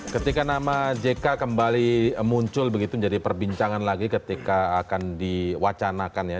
ketika nama jk kembali muncul begitu menjadi perbincangan lagi ketika akan diwacanakan ya